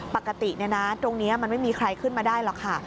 ปกติตรงนี้มันไม่มีใครขึ้นมาได้หรอกค่ะ